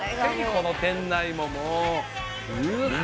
この店内ももううわ